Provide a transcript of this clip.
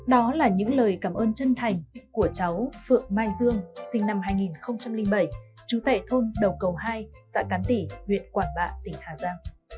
đó là những lời cảm ơn chân thành của cháu phượng mai dương sinh năm hai nghìn bảy chú tệ thôn đầu cầu hai xã cán tỉ huyện quảng bạ tỉnh hà giang